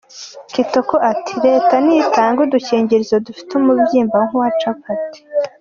Kitoko ati: "Reta ni itange udukingirizo dufite umubyimba nk'uwa Capati.